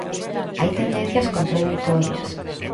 Hai tendencias contraditorias.